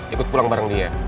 ikut pulang bareng dia